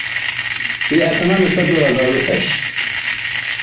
بیاعتنا نسبت به وظایفش